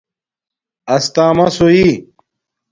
استݳمس ہوئ